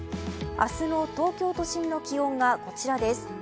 明日の東京都心の気温がこちらです。